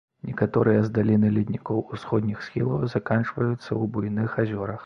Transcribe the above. Некаторыя з даліны леднікоў усходніх схілаў заканчваюцца ў буйных азёрах.